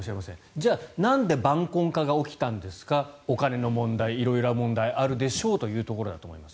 じゃあなんで晩婚化が起きたんですかお金の問題、色々な問題あるでしょうというところだと思います。